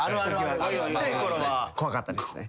ちっちゃいころは怖かったですね。